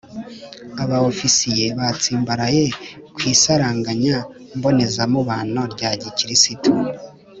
aba ofisiye batsimbaraye ku isaranganya mbonezamubano rya gikristu